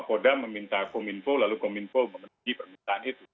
kodam meminta kominfo lalu kominfo memenuhi permintaan itu